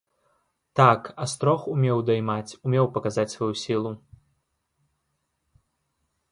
Так, астрог умеў даймаць, умеў паказаць сваю сілу!